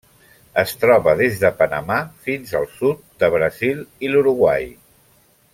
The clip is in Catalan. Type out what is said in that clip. Es troba des de Panamà fins al sud de Brasil i l'Uruguai.